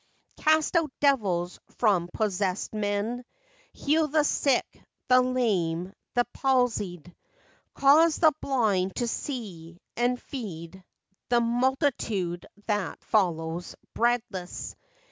Cast out devils from possessed men; Heal the sick, the lame, the palsied; Cause the blind to see, and feed the Multitude that follows breadless.